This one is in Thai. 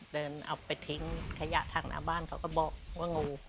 เดินเอาไปทิ้งขยะทางหน้าบ้านเขาก็บอกว่างู